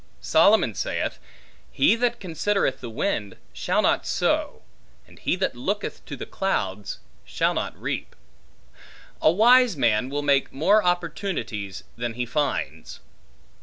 Solomon saith, He that considereth the wind, shall not sow, and he that looketh to the clouds, shall not reap. A wise man will make more opportunities, than he finds.